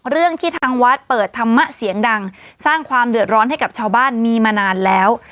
เรื่องที่ทางวัดเปิดธรรมะเสียงดังสร้างความเดือดร้อนให้กับชาวบ้านมีมานานแล้ว